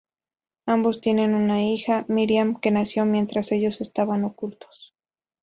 Ambos tienen una hija, Miriam, que nació mientras ellos estaban ocultos.